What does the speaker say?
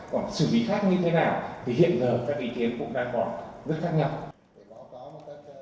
còn xử lý khác như thế nào thì hiện giờ các ý kiến cũng đang còn rất khác nhau